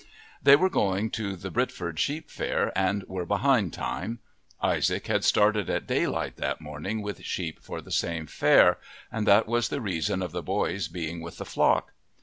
They were going to the Britford sheep fair and were behind time; Isaac had started at daylight that morning with sheep for the same fair, and that was the reason of the boys being with the flock.